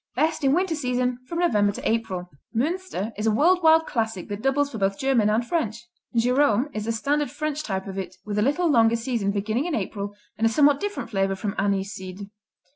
Best in winter season, from November to April. Münster is a world wide classic that doubles for both German and French. Géromé is a standard French type of it, with a little longer season, beginning in April, and a somewhat different flavor from anise seed.